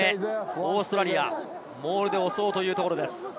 オーストラリアモールで押そうというところです。